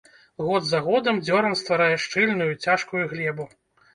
Год за годам дзёран стварае шчыльную, цяжкую глебу.